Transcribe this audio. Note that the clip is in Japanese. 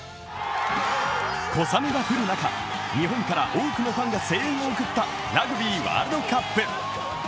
小雨が降る中、日本から多くのファンが声援を送ったラグビーワールドカップ。